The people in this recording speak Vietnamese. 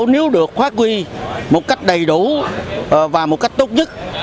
nếu được khóa quy một cách đầy đủ và một cách tốt nhất